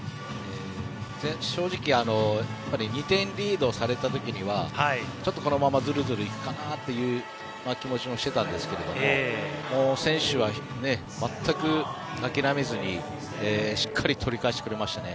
正直２点リードされた時にはちょっとこのままズルズル行くかなという気持ちもしていたんですけども選手は全く諦めずにしっかり取り返してくれましたね。